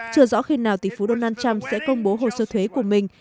chưa rõ khi nào tỷ phú donald trump sẽ công bố hồ sơ thuế của mình